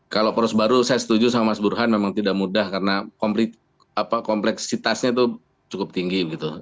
kalau poros baru saya setuju sama mas burhan memang tidak mudah karena kompleksitasnya itu cukup tinggi